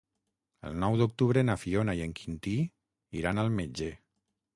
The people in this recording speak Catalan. El nou d'octubre na Fiona i en Quintí iran al metge.